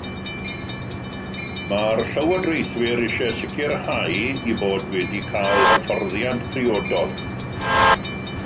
Mae'r llywodraethwyr eisiau sicrhau eu bod wedi cael hyfforddiant priodol